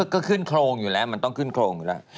ก็ขึ้นโครงอยู่แล้วมันต้องขึ้นโครงอยู่แล้ว